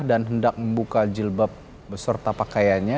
dan hendak membuka jilbab beserta pakaiannya